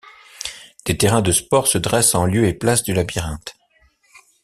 Des terrains de sport se dressent en lieu et place du labyrinthe.